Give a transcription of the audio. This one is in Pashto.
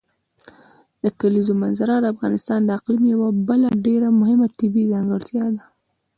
د کلیزو منظره د افغانستان د اقلیم یوه بله ډېره مهمه طبیعي ځانګړتیا ده.